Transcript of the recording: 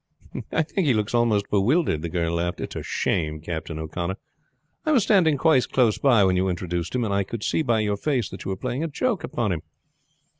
"I think he looks almost bewildered," the girl laughed. "It's a shame, Captain O'Connor. I was standing quite close by when you introduced him, and I could see by your face that you were playing a joke upon him."